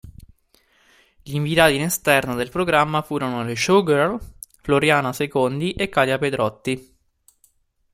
Gli inviati in esterna del programma furono le showgirl Floriana Secondi e Katia Pedrotti.